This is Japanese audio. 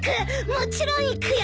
もちろん行くよ！